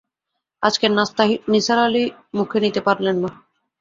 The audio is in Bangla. আজকের নাশতা নিসার আলি মুখে নিতে পারলেন না।